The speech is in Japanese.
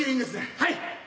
はい。